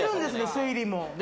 推理も。